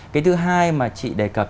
cái thứ hai mà chị đề cập